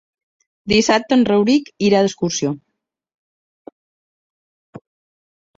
Dissabte en Rauric irà d'excursió.